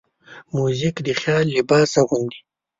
موزیک د خیال لباس اغوندي.